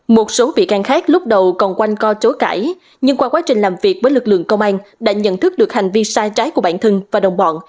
một số vị can khác lúc đầu còn quanh co chối cãi nhưng qua quá trình làm việc với lực lượng công an đã nhận thức được hành vi sai trái của bản thân và đồng bọn